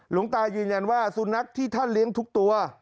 หลวงตายืนยันว่าสุนัขที่ท่านเลี้ยงทุกตัว